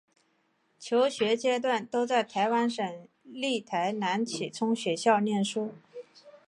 求学阶段都在台湾省立台南启聪学校念书。